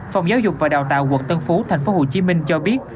phòng giáo dục và đào tạo quận tân phú tp hcm cho biết